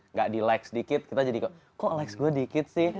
nggak di like sedikit kita jadi kok lex gue dikit sih